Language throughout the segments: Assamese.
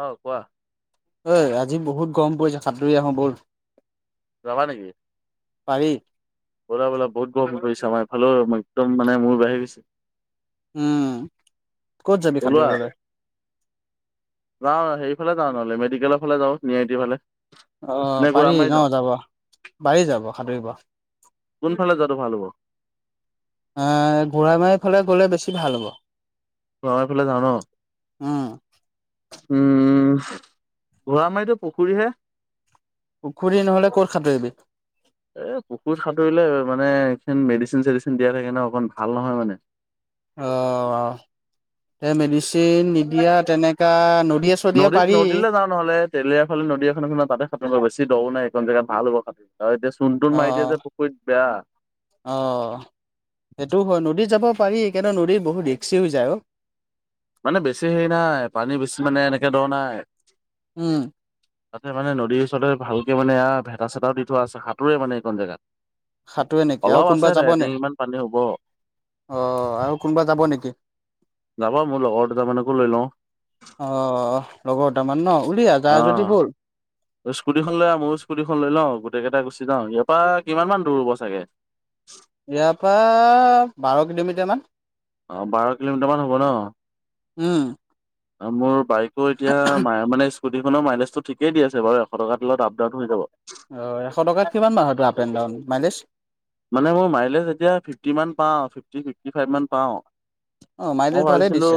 অ, কোৱা? ঐ, আজি বহুত গৰম পৰিছে, সাঁতুৰি আহো ব'ল। যাবা নেকি! পাৰি। ব'লা, ব'লা, বহুত গৰম প, আমাৰ এইফালেও একদম মানে মূৰ বেয়া হৈ গৈছে। উম। ক'ত যাবি ওলোৱা। সাঁতুৰিবলৈ যাওঁ হেৰিফালে যাওঁ ন'হলে, মেডিকেলৰ ফালে যাওঁ, নি আই টিৰ ফালে। অ, নে পাৰি ঘোঁৰামাৰি ন যাওঁ। যাব, পাৰি যাব সাতুৰিব। কোনফালে যোৱাটো ভাল হ'ব? ঘোঁৰামাৰীৰ ফালে গ'লে বেছি ভাল হ'ব। ঘোৰামাৰী ফালে যাওঁ ন! উম উম, ঘোঁৰামাৰীতো পুখুৰীহে! পুখুৰী নহ'লে ক'ত সাতুৰিবি? এ, পুখুৰীত সাঁতুৰিলে মানে, এখন মেডিচিন-চেডিচিন দিয়া থাকে ন, অকণ ভাল নহয় মানে। অ, টে মেডিচিন নি দিয়া তেনেকা নদীয়ে-চদীয়ে নদীত পাৰি। নদীলৈ যাওঁ ন'হলে তেলিয়াৰ ফালে নদী এখন নহয়, তাতে সাঁতুৰোগে বেছি দ' নাই, এইকন জেগাত ভাল হ'ব সাঁতুৰিব। অ, এতিয়া চোন-তোন অ মাৰি দিয়ে যে পুখুৰীত বেয়া। অ, সেইটো হয়, নদীত যাব পাৰি, কিন্তু নদীত বহুত ৰিক্সি হৈ যায় অ। মানে বেছি হেৰি নাই, পানী বেছি মানে এনেকে দ' নাই। উম। তাতে মানে নদীৰ ওচৰতে ভালকে মানে ভেতা-চেতা দি থোৱা আছে, সাঁতোৰে মানে এইকন জেগাত। সাঁতোৰে নেকি আৰু অলপ কোনোবা আছে, যাব দেৰ নে ডিঙিমান পানী হ'ব। অ, আৰু কোনোবা যাব নেকি? যাব, মোৰ লগৰ দুটা মানকো লৈ লওঁ। অ', লগৰ দুতামান ন, উলিয়া যাই যদি অ'। ব'ল। স্কুটিখন লৈ আহ, ময়ো স্কুটীখন লৈ লওঁ, গোটেই কেইটা গুচি যাওঁ, ইয়াৰ পৰা কিমান মন দূৰ হ'ব চাগে? ইয়াৰ পৰা বাৰ কিলোমিটাৰ মান। অঁ', বাৰ কিলোমিটাৰমান হ'ব ন? উম। মোৰ বাইকো এতিয়া [unintelligible] মানে স্কুটীখনৰ মাইলেজটো ঠিকেই দি আছে বাৰু, এশ টকাৰ তেলত আপ-ডাউন হৈ যাব। অ', এশ টকাত কিমান বাৰু আপ [unintelligible] ডাউন মাইলেজ? মানে মোৰ মাইলেজ এতিয়া ফিফটি মান পাওঁ, ফিফটি ফিফটি ফাইভ মান পাওঁ। অ মই মাইলেজ ভালেই ভাবিছিলো দিছে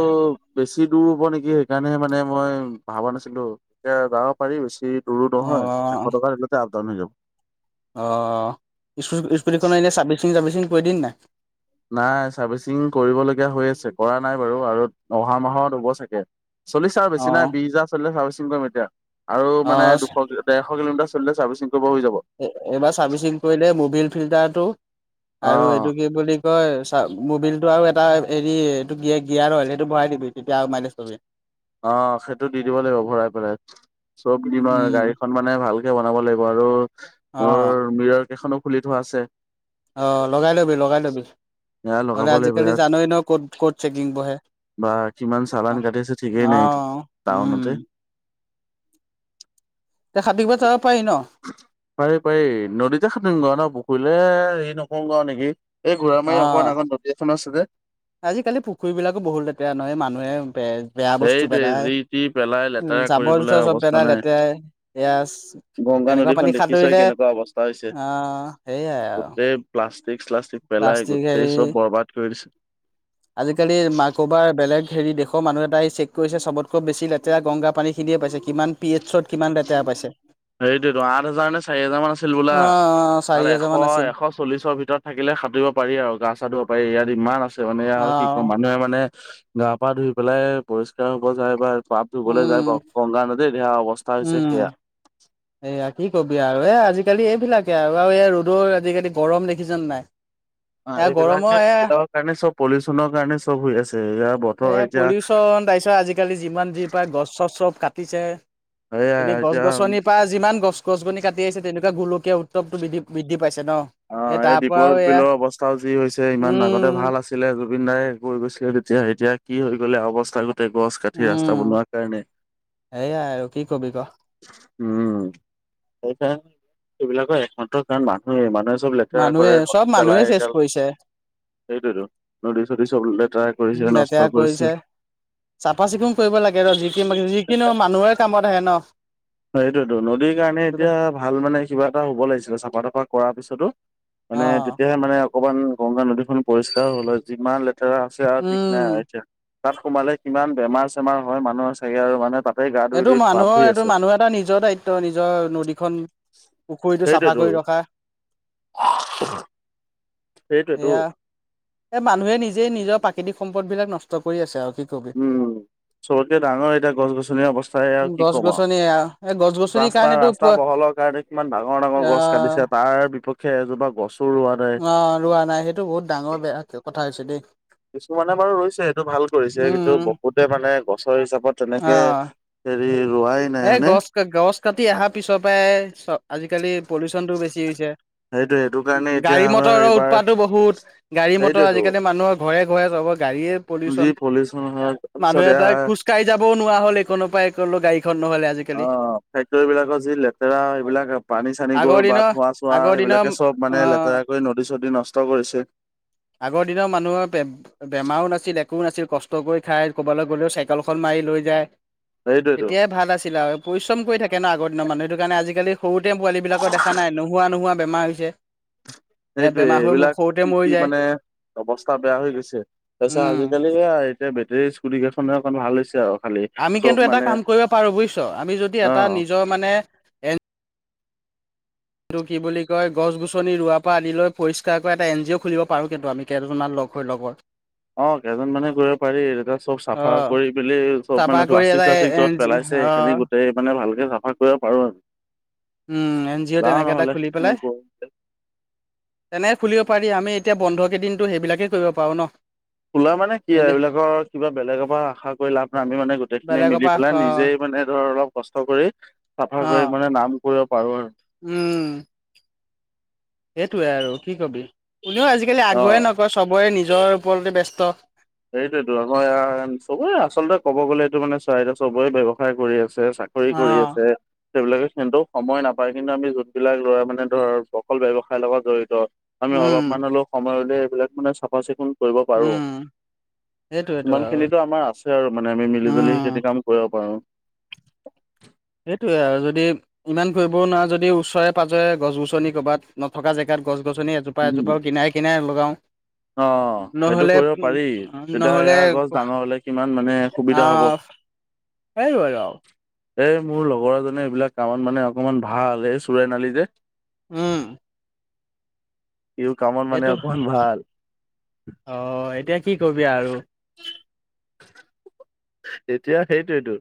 বেছি দূৰ হ'ব নেকি, সেইকাৰণেহে মানে মই ভাবা নাছিলো, এতিয়া যাব পাৰি। বেছি দুৰো অ নহয়, এশ টকা তেলতে আপ-ডাউন হৈ যাব। অ', স্কুটি স্কুটিখনৰ এনেই চাৰভিচিং- চাৰ্ভিচিং কৰিলি নাই? নাই চাৰ্ভিচিং কৰিবলগীয়া হৈ আছে, কৰা নাই বাৰু, আৰু অহা মাহত হ'ব চাগে। চলিছে আৰু অ বেছি নাই, বিশ হাজাৰ চলিলে হাৰ্ভিচিং কৰিম এতিয়া, আৰু অ মানে দুশ ডেৰশ কিলমিটাৰ চলিলে চাৰ্ভিচিং কৰিব হৈ যাব। এইবাৰ চাৰ্ভিচিং কৰিলে মবিল ফিল্টাৰটো আৰু অ'। এইটো কি বুলি কি কয় চা মবিল টো আৰু এটা হেৰি এইটো গি গিয়াৰ অইল সেইটো ভৰাই দিবি, তেতিয়া আৰু মাইলেজ পাবি। অ, সেইটো দি দিব লাগিব ভৰাই পেলাই, চব দিম আৰু উম গাড়ীখন মানে ভালকে বনাব লাগিব আৰু অ মোৰ মিৰৰ কেইখনো খুলি থোৱা আছে। অ', লগাই লবি লগাই লবি। এয়া লগাব নহলে লাগিব ইয়াৰ আজিকালি জানই ন, ক'ত-ক'ত চেকিং বহে। বা কিমান চালান কাটি আছে। ঠিকেই অ নাই। এত, উম টাউনতে। দে সাঁতুৰিব যাব পাৰি ন? পাৰি। পাৰি। নদীতে সাটোৰিমগ আৰু ন, পুখুৰীলে হেৰি নকৰোগে নেকি। এই ঘোৰা অ মাৰি অকণমান আগত নদী এখন আছে। যে, আজিকালি পুখুৰী বিলাকো বহুত লেতেৰা নহয়, মানুহে বে বেয়া বস্তু সেইটোৱে পেলাই। যি টি পেলাই উম, লেতেৰা কৰি জাবৰ জোথৰ চব অৱস্থা পেলাই। নাই। লেতেৰাই পিয়াজ গংগা তেনেকুৱা নদীখন পানীত দেখিছই সতুৰিলে, কেনেকুৱা অৱস্থা হৈছে। আহ সেয়াই আৰু গোটেই প্লাষ্টিক শ্লাষ্টিক পেলাই প্লাষ্টিক হেৰি গোটেই চব বৰবাদ কৰি দিছে। আজিকালি মাকোবাৰ বেলেগ হেৰি দেখ [unintelligible] মানুহ এটাই চেক কৰিছে। চবতকৈ বেছি লেতেৰা গংগা পানী খিনিয়ে পাইছে। কিমান পি এইচত কিমান লেতেৰা পাইছে? সেইটোতো, আঠ হাজাৰ নে চাৰি হাজাৰ মান আছিল হবলা, অ চাৰি এশ, হাজাৰ মান আছিল এশ শ চল্লিশৰ ভিতৰত থাকিলে সাঁতুৰিব পাৰি আৰু গা চা ধুব পাৰি। ইয়াত ইমান আছ মানে অ আৰু কি কম, মানুহে মানে গা পা ধুই পেলাই পৰিষ্কাৰ হব যায় বা পাপ ধুবলৈ যায়। উম গংগা নদীত এয়া অৱস্থা উম হৈছে সেয়া। এয়া কি কবি আৰু, এ আজি আজিকালি এইবিলাকে আৰু আৰু এই ৰ'দৰ আজিকালি গৰম দেখিছে নাই? অ এয়া এইবিলাকে গৰমৰ এয়া এইবিলাকৰ কাৰণে চব পলিউচনৰ কাৰণে চব হৈ আছে। এয়া এয়া পলিউচন তাৰ পিছত, আজিকালি যিমান যি পায় গছ চছ চব কাটিছে। এয়া এনে গছ এতিয়া গছনি পা যিমান গছ গছ গছনি কাটি আহিছে। তেনেকুৱা গোলকীয়া উত্তপটো বৃদ্ধি-বৃদ্ধি পাইছে ন। অ', এই তাৰ পৰাও দ্বীপৰ এয়া বিলৰ অৱস্থাও যি হৈছে। ইমান আগতে উম ভাল আছ ছিলে জুবিন দায়ে কৈ গৈছিলে। তেতিয়া এতিয়া কি হৈ গ'লে অৱস্থা গ গোতে গছ কাটি ৰাস্তা বনোৱাৰ কাৰণে। সেয়াই আৰু কি কবি ক? উম', সেইকাৰণে, এইবিলাকৰ একমাত্ৰ কাৰণ মানুহে, মানুহে চব লেতেৰা মানুহে কৰে। চব নদীত মানুহে পেলাই চেচ সেইগাল। কৰিছে সেইটোয়তো, নদী চদী চব লেতেৰা কৰিছে। নষ্ট কৰিছে। চাফা চিকুণ কৰিব লাগে ন, যিকি, যিকি নহক মানুহৰে কামত আহে ন। হয়। সেইটোটো, নদীৰ কাৰণে সেইটো এতিয়া ভাল মানে কিবা এটা হব লাগিছিলে, চাফা তাফা কৰাৰ পিছতো। অ। মানে তেতিয়াহে মানে অকমান গংগা নদীখন পৰিষ্কাৰ হল হয়। যিমান লেট আছে, আৰু ঠিক উম নাই। এতিয়া তাত সোমালে কিমান বেমাৰ চেমাৰ হয়। মানুহৰ চাগে আৰু মানে তাত এইটো মানুহৰ এইটো মানুহ এটা নিজৰ দায়িত ত', নিজৰ নদীখন পুখুৰীতটো চাফা সেইটোৱেতো কৰি ৰখা। সেইটোৱেতো এয়া, এ', মানুহে নিজেই নিজৰ প্ৰাকৃতিক সম্পদ বিলাক নষ্ট কৰি আছে, আৰু কি কব উম', চবটকে ডাঙৰ এতিয়া গছ গছনিৰ অৱস্থা চ আৰু কি গছ ক'ম আৰু গছনি এই গছ গছনিৰ ৰাস্তা কাৰণেতো প ৰাস্তা বহলৰ কাৰণে কিমান ডাঙৰ ডাঙৰ গছ আহ কাটিছে। তাৰ বিপক্ষে এজোপা গছ ৰোৱাত অ', ৰোৱা নাই। সেইটো বহুত ডাঙৰ বেয়া ক কথা হৈছে দেই। কিছুমানে বাৰু ৰৈছে সেইটো ভাল কৰিছে। কিন্তু উম, বহুতে মানে গছৰ হিচাপত তেনেকে অ' হেৰি ৰোৱাই নাই এই হয়নে গছ গছ কাটি অহাৰ পিছৰ পৰাই চ আজিকালি পলিউচনটো বেছি হৈছে সেইটোৱে, সেইটো কাৰণে এতিয়া গাড়ী আমাৰ মটৰৰ এইবাৰ উৎপাতো বহুত, গাড়ী মটৰ সেইটোৱেতো আজিকালি মানুহৰ ঘৰে ঘৰে চব গাড়ীয়ে যি পলিউচন, পলিউচন হয় মানুহ তাৰপিছত এয়া এটাই খোজকাঢ়ি যাবও নোৱাৰা হ'ল, এইকনপা সেইকনলৈ গাড়ীখন নহ'লে আজি কালি। অ ফেক্টৰী বিলাকৰ যি লেতেৰা এইবিলাক পানী চানি আগৰ গৈ বা দিনৰ ধোৱা চোৱা আগৰ দিনৰ সেইবিলাকে চব মানে অ' তাই কৰি নদী চদী নষ্ট কৰিছে। আগৰ দিনৰ মানুহৰ পেত বেমাৰও নাছিল একো নাছিল কষ্ট কৰি খাই ক'বালৈ গ'লেও চাইকেলখন মাৰি লৈ যায়। সেইটোৱেই টো। তেতিয়াই ভাল আছিলে আৰু পৰিশ্ৰম কৰি থাকি ন আগৰ দিনৰ মানুহ সেইটো কাৰণে আজি জালি সৰুতে পোৱালি বিলাকৰ দেখা নাই হোৱা নোহোৱা বেমাৰ হৈছে। এ সেইটোৱেই বেমাৰ হৈ মোক এইবিলাক সৰুতে কি কি মৰি যায় মানে অৱস্থা বেয়া হৈ গৈছে তাৰ পিছত উম আজিকালি বেতেৰী স্কুটি কেইখনৰ অকণ ভাল হৈছে আৰু খালি আমি চব কিন্তু এটা মানে কাম কৰিব পাৰোঁ বুজিছ আমি যদি অ এটা নিজৰ মানে এইটো কি বুলি কয় গছ গছনি ৰোৱাৰ পৰা আদিলৈ পৰিষ্কাৰকৈ কৰা এটা এন জি অ' খুলিব পাৰোঁ কিন্তু আমি কেইজন মান লগ হৈ লগৰ অ কেইজন মানে কৰিব পাৰি তেতিয়া চব অ চাফা কৰি পেলি চব চাফা মানে কৰি প্লাষ্টিক এটা চালষ্টিক এন যত জি পেলাইছে অ সেইখিনি। মানে ভালকে চাফা কৰিব পাৰোঁ আৰু। উম এন জি অ' যাওঁ তেনেকে এটা নহ'লে খুলি সেইখিনি পেলাই। কৰো তেনেকে খুলিব পাৰি আমি এতিয়া বন্ধ কেইদিনটো সেইবিলাকেই কৰিব পাৰোঁ ন। খোলা মানে কি আৰু এনে এইবিলাকৰ কিবা বেলেগৰ পৰা আশা কৰি লাভ নাই আামি মানে গোটেইখিনি বেলেগৰ মিলি পেলাই পৰা অ নিজেই মানে ধৰ অলপ কষ্ট কৰি চাফা অ কৰি মানে নাম কৰিব পাৰোঁ আৰু উম সেইটোৱে আৰু কি কবি কোনেও আজিকালি অ আগ্ৰহে নকৰে চবৰে নিজৰ ওপৰতে ব্যস্ত। সেইটোৱেইটো আমাৰ ইয়াৰ চবৰে আচলতে ক'ব গ'লে এইটো মানে চৰাইদেউত চবেই ব্যয়ৱসায় কৰি আছে। কৰি অ কৰি আছে। সেইবিলাকে কিন্তু সময় নাপায় কিন্তু আমি যোনবিলাক ল'ৰা মানে ধৰ অকল ব্যয়ৱসায়ৰ লগত জড়িত। আমি উম অলপমান হলেও সময় উলিয়াই এইবিলাক মানে চাফা চিকুণ কৰিব পাৰোঁ। উম সেইটোয়েতো সিমান আৰু খিনিতো আমাৰ আছে আৰু মানে আমি মিলি জুলি সেই উম খেতি কাম কৰিব পাৰোঁ। সেইটোৱে আৰু যদি ইমান কৰিবও নোৱাৰা যদি ওচৰে পাজৰে গছ গছনি ক'বাত নথকা জেগাত গছ গছনি জোপাই উম, জোপাই কিনাৰে কিনাৰে লগাওঁ অ সেইটো নহ'লে কৰিব পাৰি তেতিয়া নহ'লে ইয়াৰ গছ ডাঙৰ হলে কিমান মানে সুবিধা হ'ব। আহ এই বজও [unintelligible] এই মোৰ লগৰ এজনে এইবিলাক কামত মানে অকমান ভাল এই চোৰেন আলি যে উম ইও কামত মানে সেইটো অকণমান ভাল। অ এতিয়া কি কৰিবি আৰু এতিয়া সেইটোৱেইটো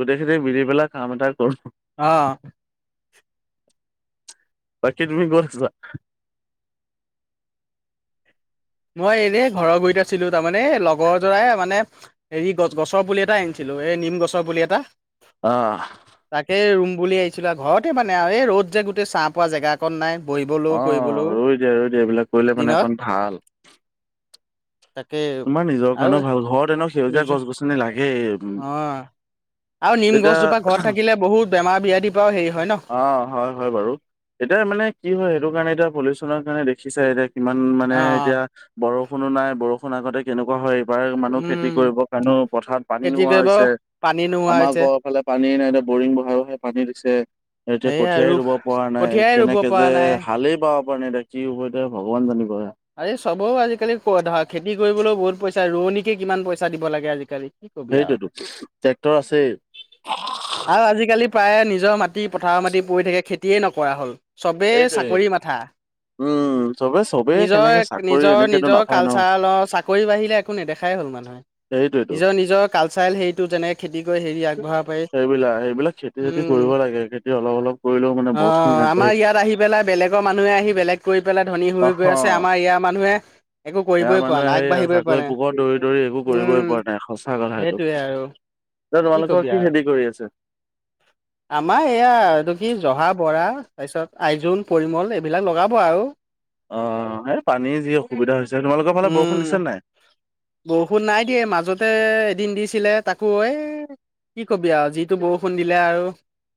গোটেইখিনি মিলি পেলাই কাম এটা কৰোঁ। অ বাকী তুমি ক'ত আছা? মই এনেই ঘৰৰ গুৰিত আছিলোঁ তাৰমানে এই লগৰ জোৰাই মানে হেৰি গছ গছৰ পুলি এটা আনিছিলোঁ এই নিম গছৰ পুলি এটা অঁ তাকে ৰুম বুলি আহিছিলো আৰু ঘৰতে মানে আৰু, এই ৰ'দ যে গোটেই, চা পোৱা জেগা অকণ নাই, বহিবলৈও অ' কৰিবলৈও, ৰৈ দিয়া ৰৈ দিয়া এইবিলাক কৰিলে মানে অকণ দিনত ভাল তাকে তোমাৰ নিজৰ আৰু কাৰণেও ভাল, ঘৰত এনেও সেউজীয়া নিজৰ গছ গছনি লাগেই। অ', আৰু নিম এতিয়া গছজোপা ঘৰত থাকিলে বহুত বেমাৰ ব্যাধিৰ পৰাও হেৰি হয় ন? অ', হয় হয় বাৰু, এতিয়া মানে কি হয় সেইটো কাৰণে এতিয়া পলিউচনৰ কাৰণে দেখিছাই এতিয়া ইমান মানে অ এতিয়া বৰষুণো নাই, বৰষুণ আগতে কেনেকুৱা হয় [unintelligible] মানুহ খেতি উম কৰিবৰ কাৰণেও পথাৰত পানী খেতি নোহোৱা কৰিব হৈছে। পানী নোহোৱা আমাৰ হৈছে আকৌ এইফালে পানীয়ে নাই, এতিয়া বৰিং বহাই বহাইহে পানী দিছে। এতিয়া সেয়াই কঠিয়াই আৰু ৰুব পৰা নাই, কঠিয়াই ৰুব কেনেকে পৰা যে নাই হালেই বাব পৰা নাই এতিয়া, কি হ'ব এতিয়া ভগৱান জানিব আ আৰে চবৰে আজিকালি ধা খেতি কৰিবলৈও বহুত পইচা, ৰোৱনীকে কিমান পইচা দিব লাগে আজিকালি কি কবি আৰু। সেইটোৱেতো, টেক্টৰ আছেই। আৰু আজিকালি প্ৰায় নিজৰ মাটি, পথাৰৰ মাটি পৰি থাকে খেতিয়েই নকৰা হ'ল। চবেই সেইটোৱে চাকৰি মাথা উম, চবেই চ নিজৰ, নিজৰ, নিজৰ কালচাৰেলৰ চাক কৰি বাহিৰে একো নেদেখাই হ'ল মানুহে। সেইটোৱেতো নিজৰ নিজৰ কালচাৰেল হেৰিটো যেনেক খেতি কৰি হেৰি আগবঢ়াব পাৰি, সেইবিলাক সেইবিলাক খেতি চেতি উম কৰিব লাগে খেতি অলপ অলপ কৰিলেও মানে বহুত খিনি অ', আগবাঢ়ি আমাৰ থাকে। ইয়াত আহি পেলাই বেলেগৰ মানুহে আহি বেলেগ কৰি পেলাই ধনী অ হৈ গৈ আছে। তে আমাৰ ইয়াৰ মানুহে একো এয়া কৰিবই পৰা মানুহে নাই, সেইয়া আগবাঢ়িবই চাকৰি পৰা নাই। পোকৰত দৌৰি দৌৰি একো কৰিবই উম, পৰা সেইটোৱে আৰু এতিয়া তোমালোকৰ কবি আৰু। কি খেতি কৰি আছে? আমাৰ এয়া এইটো কি, জহা, বৰা, তাৰপিছত আইজোং, পৰিমল এইবিলাক লগাব আৰু। অ', এই পানীৰ যি অসুবিধা হৈছে, তোমালোকৰ ফালে বৰষুণ উম দিছে নাই? বৰষুণ নাই দিয়া, মাজতে এদিন দিছিলে, তাকো এ কি কবি আৰু, যিটো বৰষুণ দিলে আৰু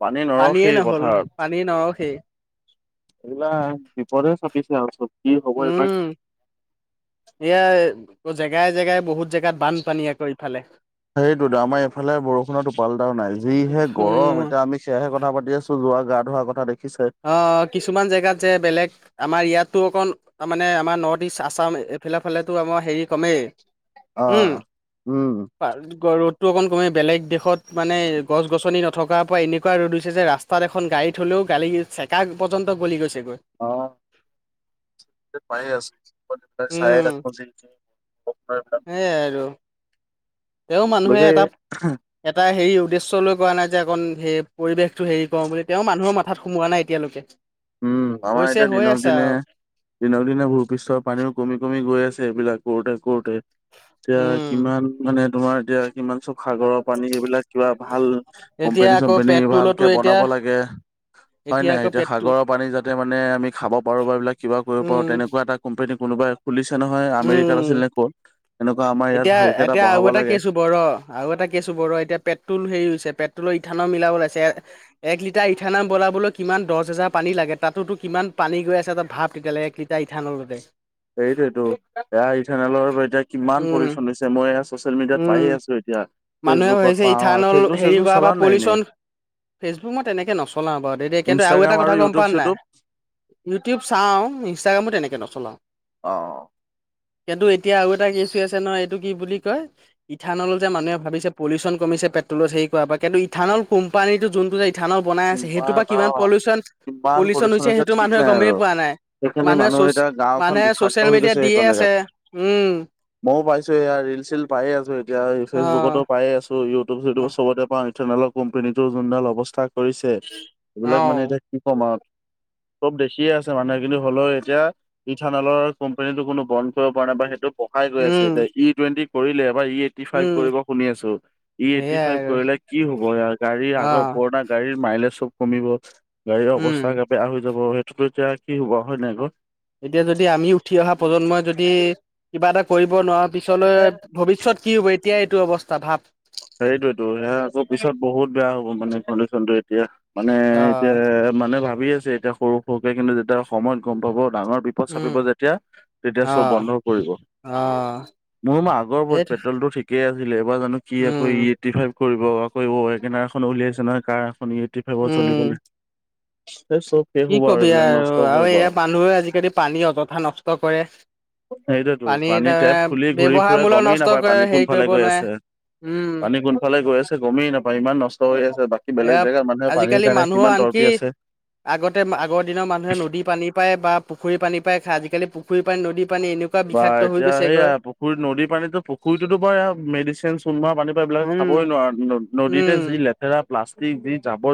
পানী পানীয়েই নৰখেই নহ'ল, পথাৰত পানী নৰসেই। এইবিলাক বিপদ হে চাপিছে আৰু চব, কি হব এইবাৰ উম এয়া জেগাই জেগাই বহুত জেগাত বানপানী আকৌ ইফালে। হেইটোতো, আমাৰ এইফালে বৰষুণৰ টোপাল এটাও নাই, যিহে উম গৰম! এতিয়া আমি এতিয়াহে কথা পাতি আছো, [unintelligible] গা ধোৱা কথা দেখিছই অ, অ, কিছুমান জেগাত যে বেলেগ আমাৰ ইয়াততো অকণ, তাৰমানে আমাৰ নৰ্থ ইষ্ট আছাম এইফালে ফালেতো আমাৰ হেৰি কমেই। উম অ', উম ৰ'দটো অকণ কমেই, বেলেগ দেশত মানে গছ গছনি নথকাৰ পৰা এনেকুৱা ৰ'দ হৈছে যে ৰাচ তাত এখন গাড়ী থলেও, গালি চেকা পৰ্যন্ত গলি গৈছেগৈ। অ, ‌ [unintelligible] [inaudible] এইয়াই আৰু, তেওঁ মানুহে গতিকে এটাত এটা হেৰি উদ্দেশ্য লৈ কৰা নাই যে আকৌ, হে পৰিবেশটো হেৰি কৰোঁ বুলি। তেওঁ মানুহৰ মাথাত সোমোৱা নাই এতিয়ৈকে। উম, আমাৰ এতিয়া দিনক দিনে, দিনক দিনে ভূপৃষ্ঠৰ পানীও কমি কমি গৈ আছে এইবিলাক কৰোঁতে কৰোঁতে, এতিয়া উম। কিমান মানে তোমাৰ এতিয়া কিমান চব সাগৰৰ পানী, এইবিলাক কিবা ভাল এতিয়া কোম্পেনী আকৌ চোম্পেনী পেট্ৰলতো ভালকে এতিয়া বনাব লাগে, হয় নাই, আকৌ এতিয়া পেট্ৰল সাগৰৰ পানী যাতে মানে আমি খাব পাৰোঁ বা এইবিলাক কিবা কৰিব উম পাৰোঁ তেনেকুৱা এটা কোম্পানী কোনোবাই খুলিছে নহয় আমেৰিকাত উম। আছিল নে ক'ত? এনেকুৱা আমাৰ ইয়াত ভালকে এটা বঢ়াব লাগে। বৰ আৰু এটা কেছোঁ বৰ এতিয়া পেট্ৰল হেৰি হৈছে, পেট্ৰলত ইথানল মিলাব ওলাইছে এ এক লিটাৰ ইথানাম বনাবলৈ কিমান দচ হাজাৰ পানী লাগে তাতোতো কিমান পানী গৈ আছে তই ভাৱ তেতিয়ালেকে কি তে ইথানল [unintelligible] সেইটোয়েটো এয়া ইথানেলৰ এতিয়া কিমান উম পলিউচন হৈছে মই এয়া চচিয়েল মিডিয়াত পায়ে উম আছো এ তিয়া। মানুহে ভাবিছে ইথানল হেৰি কৰা বা নাই এনেই পলিউচন ফেচবুক মই তেনেকে নচলাও বাৰু দে দে কিন্তু আৰু ইনষ্টাগ্ৰাম এটা কথা গম ইউটিউব পোৱা চিউটিউব নাই? ইউটিউব চাওঁ, ইনষ্টাগ্ৰামো তেনেকে নচলাওঁ। অ। কিন্তু এতিয়া আৰু এটা কেছো আছে নহয় এইটো কি বুলি কয়, ইথানল যে মানুহে ভাবিছে পলিউচন কমিছে, পেট্ৰলত হেৰি কৰাৰ পৰা কিন্তু ইথানল কোম্পানীটো যোনটো যে ইথানল বনাই আছে সেইটোৰ পৰা কিমান পলিউচন কিমান পলিউচন হৈছে সেইটো ঠিক মানুহে নাই আৰু গমেই পোৱা নাই। সেইখিনি মানুহে মানুহ চচ, এতিয়া গাঁওখন মানুহে বিষাক্ত চচিয়েল মিডিয়াত দিয়ে আছে উম। ময়ও পাইছো এয়া ৰিল-চিল পায়ে আছো এতিয়া অ ফেচবুকতো পায়ে আছো ইউ টোব - চিউটোব চবতে পাওঁ, ইথানেলৰ কোম্পানীটো যোনডাল অৱস্থা কৰিছে অ সেইবিলাক মানে এতিয়া কি কম আৰু চব দেখিয়ে আছে মানুহে কিন্তু হ'লেও এতিয়া ইথানলৰ কোম্পানীটো কোনো বন্ধ কৰিব পৰা নাই বা সেইটো পকাই গৈ আছে উম এতিয়া ই টুৱেণ্টি কৰিলে এবাৰ ই টি ফাইভ উম কৰিব শুনি আছো, ই এইটটি সেয়াই ফাইভ আৰু কৰিলে কি হ'ব ইয়াৰ গাড়ীৰ অ আগৰ পুৰণা গাড়ীৰ মাইলেজ চব কমিব, গাড়ীৰ উম অৱস্থা গা বেয়া হৈ যাব সেইটোতো এতিয়া কি হুবা হয় নাই ক? এতিয়া যদি আমি উঠি অহা প্ৰজন্মই যদি কিবা এটা কৰিব নোৱাৰা পিছলৈ ভৱিষ্যত কি হ'ব এতিয়াই এইটো অৱস্থা ভাৱ? সেইটোয়েতো এয়া আকৌ পিছত বহুত বেয়া হ'ব মানে কণ্ডিচনটো এতিয়া মানে অ এতিয়া মানে ভাবি আছে এতিয়া সৰু সৰুকে কিন্তু যেতিয়া সময়ত গম পাব ডাঙৰ বি পদ উম চাপিব যেতিয়া তেতিয়া চব অ বন্ধ কৰিব। অ। মোৰ মই আগৰ প সেইটো পেট্ৰলটো ঠিক। কে আছিলে এবাৰ জানো কি আকৌ উম, ই এইটি ফাইভ কৰিব আকৌ ৱ গেনাৰ এখন উলিয়াইছে নহয় কাৰ এখন ই এই টি ফাইভত উম, চলিবলৈ এই চব শেষ কি হ'ব কবি এইবিলাক আৰু নষ্ট আৰু কৰিব এই মানুহে আজিকালি পানী অযথা নষ্ট কৰে। সেইটোৱেতো পানী তাৰ টেপ মানে খুলি ঘূৰি ব্যৱহাৰ ফুৰে মূলত গমেই নষ্ট নাপায় পানী কৰি হেৰি কোনফালে কৰিব গৈ নোৱাৰে আছে উম। পানী কোনফালে গৈ আছে গমেই নাপায়, ইমান নষ্ট হৈ আছে বাকী বেলেগ এয়া জেগাৰ মানুহে পানীৰ আজিকালি কাৰণে মানুহৰ কিমান আনকি তৰপি আছে। আগতে মা আগৰ দিনৰ মানুহে নদী পানী পায় বা পুখুৰী পানী পায় খায়, আজিকালি পুখুৰী পানী, নদীৰ পানী এনু বা এতিয়া সেয়া পুখুৰী নদীৰ পানীতো পুুখুৰীটোতো কৰে, মেডিচিন চুনমৰা পানীৰ পৰা এইবিলাক উম, খাবই নোৱাৰা, ন নদীতে উম। যি লেতেৰা প্লাষ্টিক যি জাবৰ